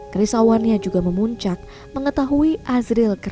permisa wadah juga memuncak mengetahui azrila kerap demam disertai kejang kejang